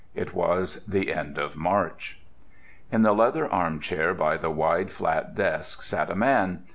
It was the end of March. In the leather armchair by the wide, flat desk sat a man.